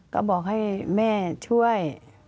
ก็บอกให้แม่ช่วย